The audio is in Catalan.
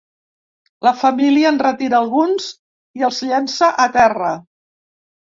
La família en retira alguns i els llença a terra.